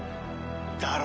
だろ？